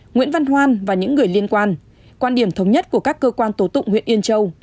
nguyễn văn hoan và những người liên quan quan điểm thống nhất của các cơ quan tố tụng huyện yên châu